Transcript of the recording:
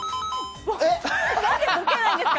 何でボケないんですか？